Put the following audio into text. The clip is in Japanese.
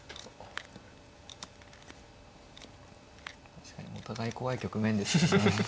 確かにお互い怖い局面ですね。